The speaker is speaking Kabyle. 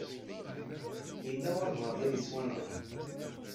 Yella walebɛaḍ i yettwanɣan.